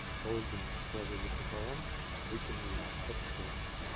Калугина сложили пополам и выкинули его как сор.